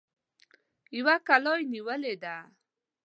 يوه کلا يې نيولې ده.